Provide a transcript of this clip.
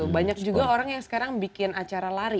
banyak juga orang yang sekarang bikin acara lari